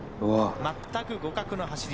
全く互角の走り。